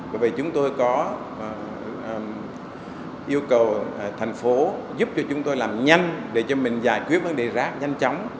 bởi vì chúng tôi có yêu cầu thành phố giúp cho chúng tôi làm nhanh để cho mình giải quyết vấn đề rác nhanh chóng